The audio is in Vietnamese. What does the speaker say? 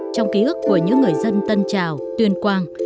trong ký ức của những người dân tân trào tuyên quang